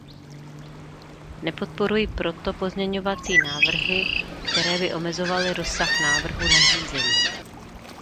Nepodporuji proto pozměňovací návrhy, které by omezovaly rozsah návrhu nařízení.